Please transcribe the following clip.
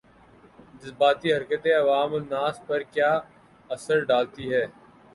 جذباتی حرکتیں عوام الناس پر کیا اثرڈالتی ہیں